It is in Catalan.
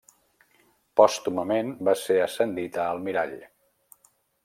Pòstumament va ser ascendit a Almirall.